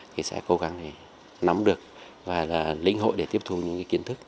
thì sẽ cố gắng nắm được và lĩnh hội để tiếp thu những kiến thức